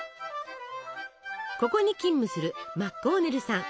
ここに勤務するマッコーネルさん。